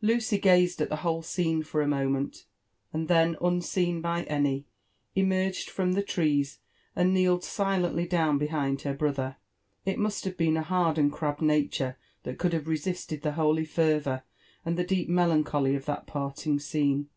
Lucy gazed at the whole scene for a moment, and then, unseen by a^y, tfhet^d bdtit th^ trees, and kneeled silently down behind her brother. It mtrst h^ebeen a hard and crabbed nature, that could have resisted the holy fervdur and the deep melancholy of that parting scene.